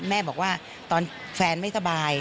แม่บอกว่าตอนแฟนไม่สบาย